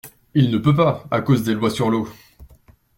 Il ne peut pas, à cause des lois sur l’eau.